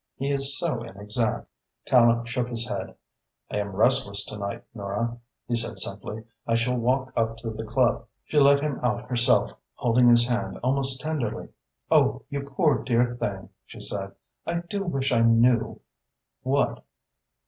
He is so inexact." Tallente shook his head. "I am restless to night, Nora," he said simply. "I shall walk up to the club." She let him out herself, holding his hand almost tenderly. "Oh, you poor dear thing!" she said. "I do wish I knew " "What?"